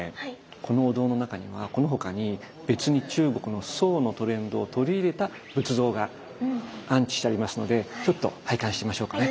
このお堂の中にはこの他に別に中国の宋のトレンドを取り入れた仏像が安置してありますのでちょっと拝観してみましょうかね。